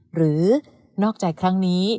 หรือนอกใจครั้งนี้